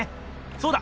そうだ！